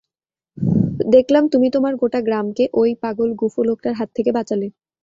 দেখলাম তুমি তোমার গোটা গ্রামকে ওই পাগল গুঁফো লোকটার হাত থেকে বাঁচালে।